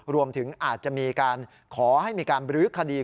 รวมถึงอาจจะมีการขอให้มีการบรื้อคดี